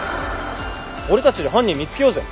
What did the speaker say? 俺たちで犯人見つけようぜ。